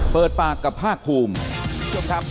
เปิดปากกับภาคภูมิ